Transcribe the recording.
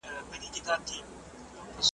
جامې ګډې مینځل کېدای شي.